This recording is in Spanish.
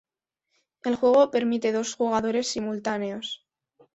El juego permite dos jugadores simultáneos.